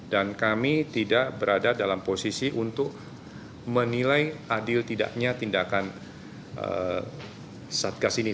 dan kami tidak berada dalam posisi untuk menilai adil tidaknya tindakan satgas ini